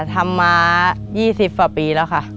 ทำมา๒๐พี่แล้วค่ะ